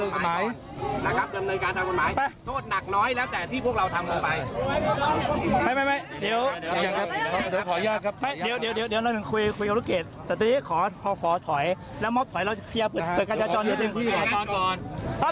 กำเนินการทำกฎหมายโทษหนักน้อยแล้วแต่ที่พวกเราทำกฎหมาย